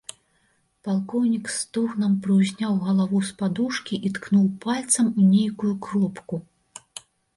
Палкоўнік з стогнам прыўзняў галаву з падушкі і ткнуў пальцам у нейкую кропку.